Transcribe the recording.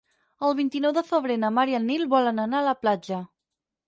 El vint-i-nou de febrer na Mar i en Nil volen anar a la platja.